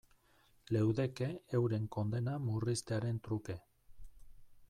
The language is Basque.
Leudeke euren kondena murriztearen truke.